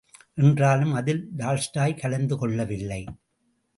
என்றாலும், அதில் டால்ஸ்டாய் கலந்து கொள்ளவில்லை.